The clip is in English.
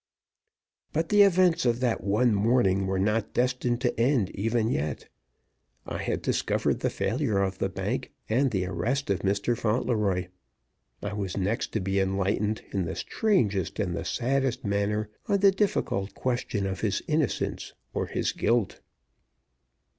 But the events of that one morning were not destined to end even yet. I had discovered the failure of the bank and the arrest of Mr. Fauntleroy. I was next to be enlightened, in the strangest and the saddest manner, on the difficult question of his innocence or his guilt.